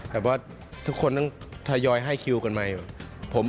แต่ว่าทุกคนต้องทยอยให้คิวกันไหม